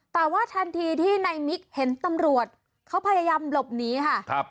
แต่ว่าทันทีที่ในมิกเห็นตำรวจเขาพยายามหลบหนีค่ะ